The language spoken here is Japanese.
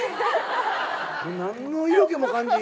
何の色気も感じひん。